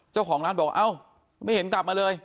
เจ้าของร้านบอกเอ้าไม่เห็นกลับมาเลย